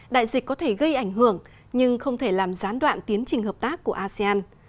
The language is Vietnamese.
đại dịch có thể gây ảnh hưởng nhưng không thể làm gián đoạn tiến trình hợp tác của asean